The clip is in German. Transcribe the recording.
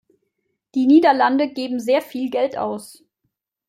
Die Niederlande geben sehr viel Geld aus.